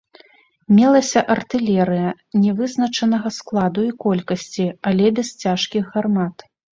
Мелася артылерыя нявызначанага складу і колькасці, але без цяжкіх гармат.